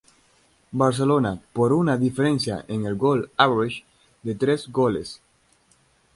Barcelona, por una diferencia en el gol-average de tres goles.